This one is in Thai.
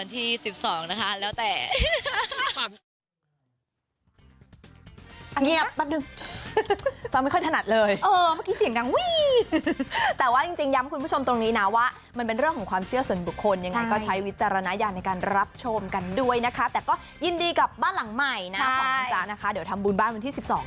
ที่สิบสองนะคะแล้วแต่